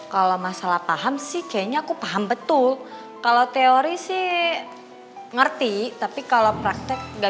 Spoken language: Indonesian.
kalau masalah paham sih kayaknya aku paham betul kalau teori sih ngerti tapi kalau praktek gak